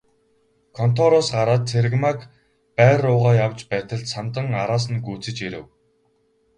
Контороос гараад Цэрэгмааг байр руугаа явж байтал Самдан араас нь гүйцэж ирэв.